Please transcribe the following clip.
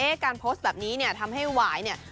การโพสต์แบบนี้เนี่ยทำให้หวายเนี่ย